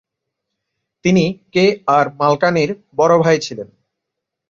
তিনি K R মালকানির বড় ভাই ছিলেন।